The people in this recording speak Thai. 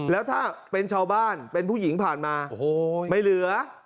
แล้วถ้าเป็นชาวบ้านเป็นผู้หญิงผ่านมาโอ้โหไม่เหลือ